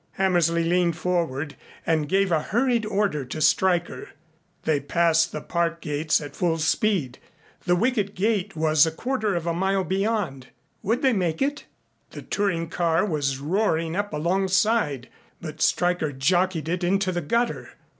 Hammersley leaned forward and gave a hurried order to Stryker. They passed the Park gates at full speed the wicket gate was a quarter of a mile beyond. Would they make it? The touring car was roaring up alongside but Stryker jockeyed it into the gutter.